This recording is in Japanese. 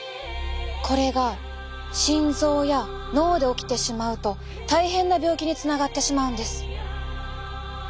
これが心臓や脳で起きてしまうと大変な病気につながってしまうんです。